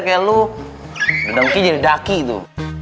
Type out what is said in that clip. kayak lo udah dengki jadi daki itu